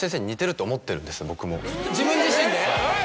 自分自身で？